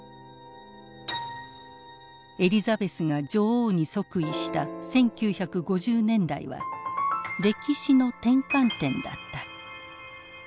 エリザベスが女王に即位した１９５０年代は歴史の転換点だった。